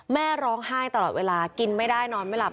แม่ร้องไห้ตลอดเวลากินไม่ได้นอนไม่หลับ